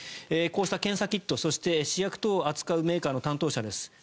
こうした検査キットそして試薬等を扱うメーカーの担当者です。